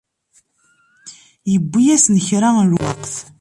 Yewwi-yasen kra n lweqt.